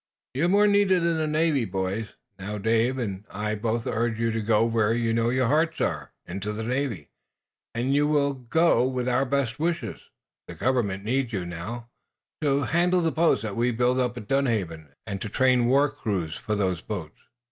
You are more needed in the Navy. Now, Dave and I both urge you to go where we know your hearts are into the Navy. And you will go with all our best wishes. The government needs you, now, to handle the boats that we build up at Dunhaven, and to train war crews for those boats.